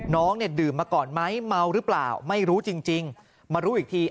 น้องเนี่ยดื่มมาก่อนไหมเมาหรือเปล่าไม่รู้จริงมารู้อีกที